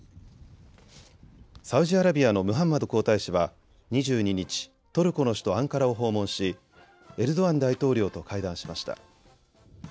サウジアラビアのムハンマド皇太子は２２日、トルコの首都アンカラを訪問しエルドアン大統領と会談しました。